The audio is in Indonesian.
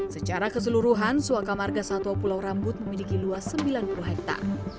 secara keseluruhan suaka marga satwa pulau rambut memiliki luas sembilan puluh hektare